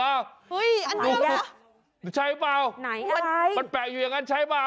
เฮ้ยอันด้วยเหรอใช่หรือเปล่ามันแปะอยู่อย่างนั้นใช่หรือเปล่า